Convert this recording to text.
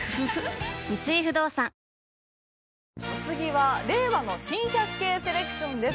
次は令和の珍百景セレクションです。